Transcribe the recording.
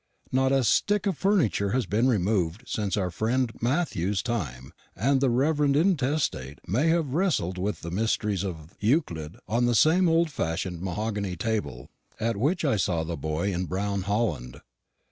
Not a stick of furniture has been removed since our friend Matthew's time; and the rev. intestate may have wrestled with the mysteries of Euclid on the same old fashioned mahogany table at which I saw the boy in brown holland.